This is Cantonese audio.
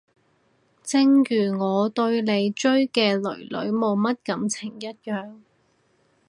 正如我對你追嘅囡囡冇乜感情一樣